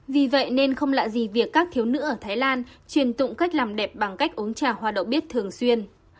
vì vậy nên không lạ gì việc các thiếu nữ ở thái lan truyền tụng cách làm đẹp bằng cách uống trà hoa đậu bếp thường xuyên